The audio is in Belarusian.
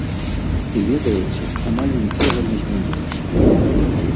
І ведаеце, амаль нічога не змянілася.